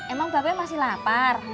emang bapaknya masih lapar